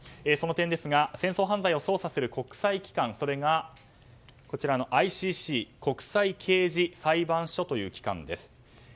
その点、戦争犯罪を捜査する国際機関それがＩＣＣ・国際刑事裁判所という機関です。